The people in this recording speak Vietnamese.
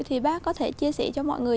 thì bác có thể chia sẻ cho mọi người